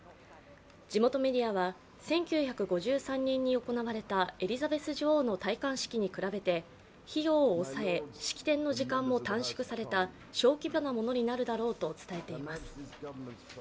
地元メディアは１９５３年に行われたエリザベス女王の戴冠式に比べて費用を抑え式典の時間も短縮された小規模なものになるだろうと伝えています。